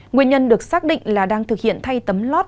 nguyên nhân được xác định là đang thực hiện thay tấm lót